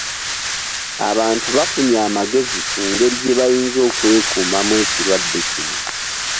Abantu bafunye amagezi ku ngeri gye bayinza okwekuumamu ekirwadde kino.